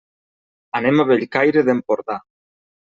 Anem a Bellcaire d'Empordà.